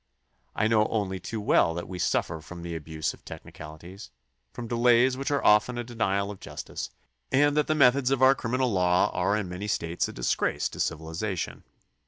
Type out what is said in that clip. I know only too well that we suffer from the abuse of technicaHties, from delays which are often a denial of justice, and that the methods of our criminal law are in many States a disgrace to civilization.